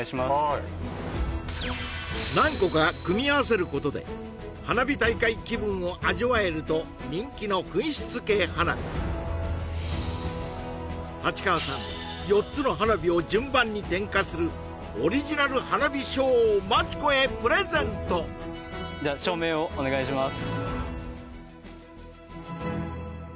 はい何個か組み合わせることで花火大会気分を味わえると人気の噴出系花火立川さん４つの花火を順番に点火するオリジナル花火ショーをマツコへプレゼントじゃあ照明をお願いします